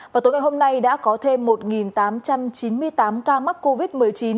và tối ngày hôm nay đã có thêm một tám trăm chín mươi tám ca mắc covid một mươi chín